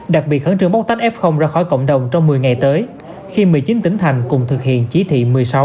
đặc biệt khẩn trương bóc tách f ra khỏi cộng đồng trong một mươi ngày tới khi một mươi chín tỉnh thành cùng thực hiện chỉ thị một mươi sáu